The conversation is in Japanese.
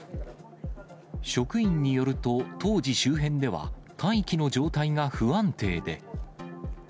職員によると当時、周辺では大気の状態が不安定で。